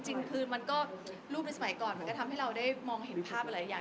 จริงคือมันก็รูปในสมัยก่อนมันก็ทำให้เราได้มองเห็นภาพหลายอย่าง